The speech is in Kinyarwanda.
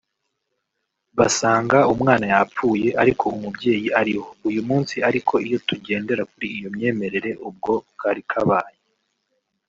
basanga umwana yapfuye ariko umubyeyi ariho uyu munsi ariko iyo tugendera kuri iyo myemerere ubwo kari kabaye